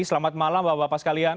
selamat malam bapak bapak sekalian